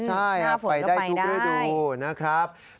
ใช่ไปได้ทุกฤดูนะครับหน้าฝนก็ไปได้